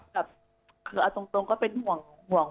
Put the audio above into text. แต่อาจจะเป็นห่วง